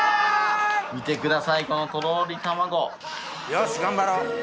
見てくださいこのとろり卵よし頑張ろう